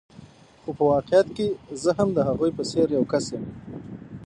خو په واقعیت کې زه هم د هغوی په څېر یو کس یم.